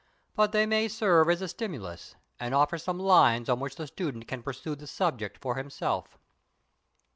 But they may serve as a stimulus, and offer some lines on which the student can pursue the subject for himself.